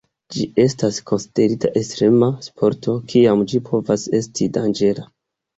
Ĝi estas konsiderita ekstrema sporto, kiam ĝi povas esti danĝera.